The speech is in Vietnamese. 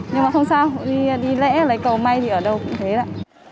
nhưng mà không sao hội đi lễ lấy cầu may thì ở đâu cũng thế ạ